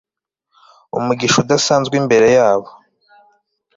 umugisha udasanzwe imbere yabo